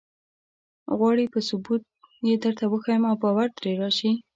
غواړې په ثبوت یې درته وښیم او باور دې راشي.